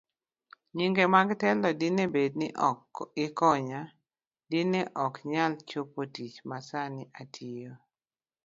Nyinge mag telo Dine bed ni ok ikonya, dine okanyal chopotich masani atiyo.